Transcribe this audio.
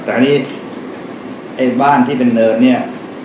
แต่อันนี้ไอ้บ้านที่เป็นเนินเนี่ย